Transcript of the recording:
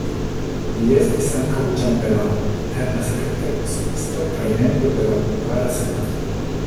Li estis ankaŭ ĉambelano, interna sekreta konsilisto kaj membro de la hungara senato.